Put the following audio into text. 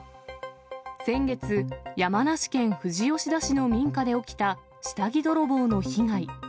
先月、山梨県富士吉田市の民家で起きた下着泥棒の被害。